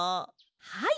はい！